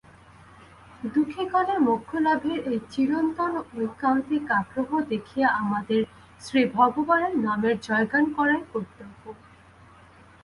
দুঃখিগণের মোক্ষলাভের এই চিরন্তন ঐকান্তিক আগ্রহ দেখিয়া আমাদের শ্রীভগবানের নামের জয়গান করাই কর্তব্য।